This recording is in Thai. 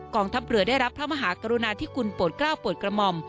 งทัพเรือได้รับพระมหากรุณาธิคุณโปรดกล้าวโปรดกระหม่อม